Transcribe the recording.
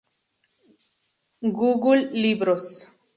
Google libros